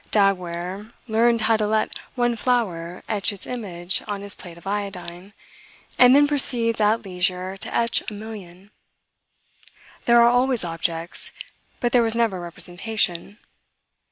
Daguerre learned how to let one flower etch its image on his plate of iodine; and then proceeds at leisure to etch a million. There are always objects; but there was never representation.